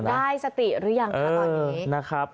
ได้สติหรือยังค่ะตอนนี้